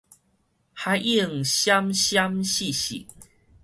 海湧閃閃爍爍